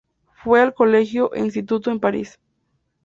Fue al colegio e instituto en París.